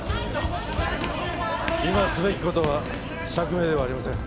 今すべき事は釈明ではありません。